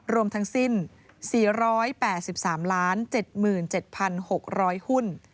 รวมทั้งสิ้น๔๘๓๗๗๖๐๐หุ้น